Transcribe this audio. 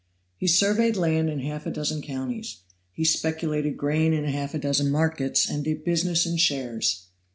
He surveyed land in half a dozen counties he speculated in grain in half a dozen markets, and did business in shares.